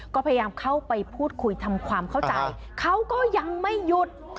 ก็พยายามเข้าไปพูดคุยทำความเข้าใจเขาก็ยังไม่หยุด